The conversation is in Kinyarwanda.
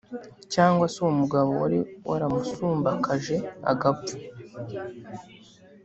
cyangwa se uwo mugabo wari waramusumbakaje agapfa,